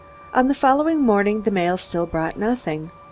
On the following morning the mail still brought nothing.